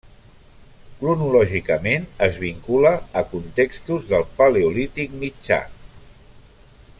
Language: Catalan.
Cronològicament es vincula a contextos del Paleolític mitjà.